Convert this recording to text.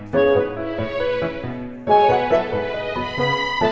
terima kasih ya